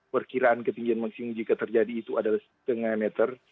perkiraan ketinggian maksimum jika terjadi itu adalah setengah meter